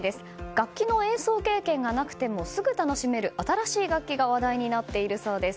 楽器の演奏経験がなくてもすぐ楽しめる新しい楽器が話題になっているそうです。